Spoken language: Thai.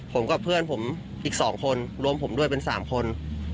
ผมกับเพื่อนผมอีก๒คนรวมผมด้วยเป็น๓คน